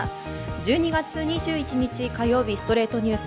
１２月２１日、火曜日『ストレイトニュース』。